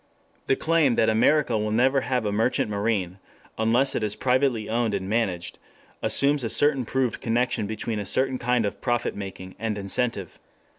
The claim that America will never have a merchant marine, unless it is privately owned and managed, assumes a certain proved connection between a certain kind of profit making and incentive.